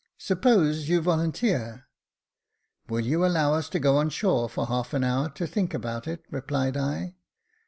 Suppose you volunteer ?"" Will you allow us to go on shore for half an hour to think about it ?" replied I.